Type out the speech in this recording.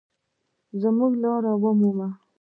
مونږ لاره مومو